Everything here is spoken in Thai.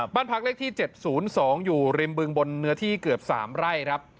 บ้านพักเลขที่๗๐๒อยู่ริมบึงบนเนื้อที่เกือบ๓ไร่ครับ